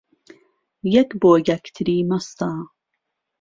یەک بۆ یەکتری مەستە